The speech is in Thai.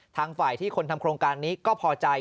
ทางฝ่ายที่คนทำโครงการนี้ก็พอใจ